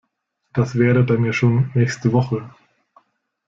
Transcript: Das wäre dann ja schon nächste Woche.